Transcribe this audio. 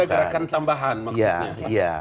ada gerakan tambahan maksudnya